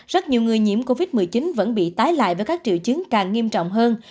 rất nhiều người nhiễm covid một mươi chín vẫn bị tái lại với các triệu chứng càng nghiêm trọng hơn